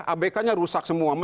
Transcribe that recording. abk nya rusak semua